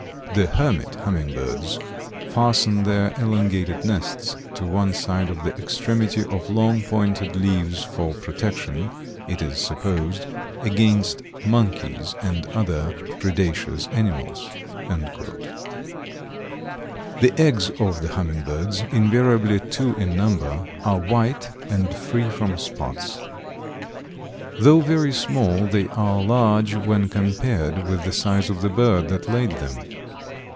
"The hermit hummingbirds fasten their elongated nests to one side of the extremity of long pointed leaves for protection, it is supposed, against monkeys and other predaceous animals." The eggs of the hummingbirds, invariably two in number, are white and free from spots. Though very small they are large when compared with the size of the bird that laid them.